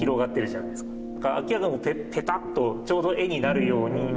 明らかにペタッとちょうど絵になるように。